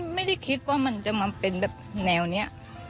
ไม่ได้คิดว่ามันจะมาเป็นแบบแนวนี้